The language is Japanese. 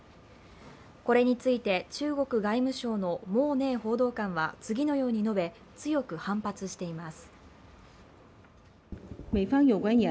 これについて中国外務省の孟寧報道官は次のように述べ強く反発しています。